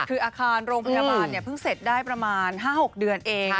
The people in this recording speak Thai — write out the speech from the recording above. คืออาคารโรงพยาบาลเพิ่งเสร็จได้ประมาณ๕๖เดือนเอง